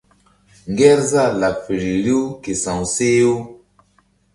Ŋgerzah laɓ feri riw ke sa̧w seh-u.